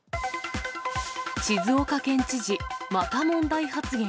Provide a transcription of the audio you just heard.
静岡県知事、また問題発言。